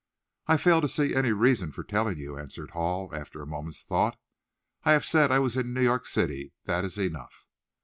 "I fail to see any reason for telling you," answered Hall, after a moment's thought. "I have said I was in New York City, that is enough."